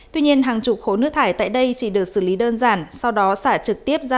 tuy nhiên hàng chục khổ nước thải tại đây chỉ được xử lý đơn giản sau đó xả trực tiếp ra sông đuống